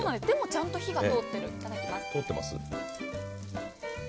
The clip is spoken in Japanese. でもちゃんと火が通ってます。